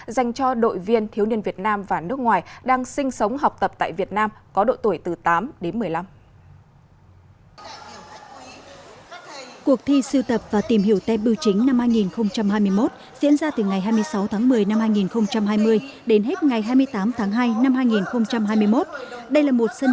dành cho đội viên thiếu niên việt nam và nước ngoài đang sinh sống học tập tại việt nam có độ tuổi từ tám đến một mươi năm